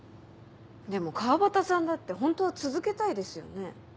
でも川端さんだってホントは続けたいですよね？